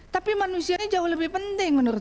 tapi manusia ini jauh lebih penting menurut